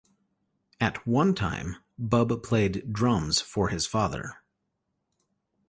At one time, Bub played drums for his father.